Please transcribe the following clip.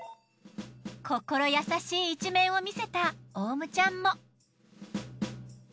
心優しい一面を見せたオウムちゃんも。